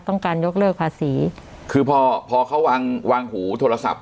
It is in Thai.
ต้องการยกเลิกภาษีคือพอพอเขาวางวางหูโทรศัพท์